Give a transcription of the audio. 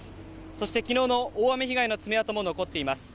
そして昨日の大雨被害の爪痕も残っています。